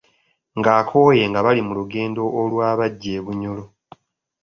Ng’akooye nga bali mu lugendo olwabajja e Bunyoro.